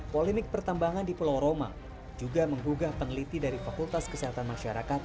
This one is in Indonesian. polemik pertambangan di pulau roma juga menggugah peneliti dari fakultas kesehatan masyarakat